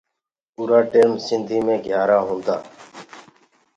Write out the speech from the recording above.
اُرآ ٽيم سنڌيٚ مي گھِيآرآ هونٚدآ۔